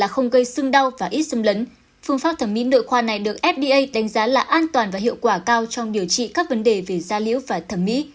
khoa này được fda đánh giá là an toàn và hiệu quả cao trong điều trị các vấn đề về da liễu và thẩm mỹ